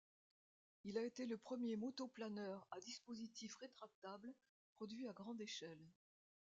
Il a été le premier motoplaneur à dispositif rétractable produit à grande échelle.